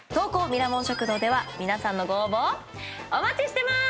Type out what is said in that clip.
ミラモン食堂」では皆さんのご応募をお待ちしてます！